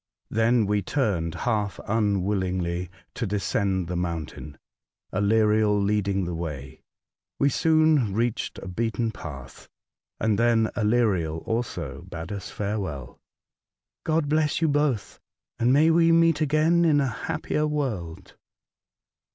Then we turned half unwillingly to descend the mountain, Aleriel leading the way. We soon reached a beaten path, and then Aleriel also bade us fare well :'' God bless you both, and may we meet again in a happier world."